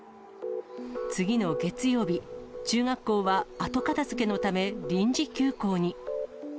次の月曜日、中学校は後片づけのため、臨時休校に。